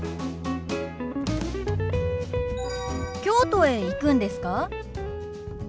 京都へ行くんですか？